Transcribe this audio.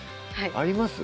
あります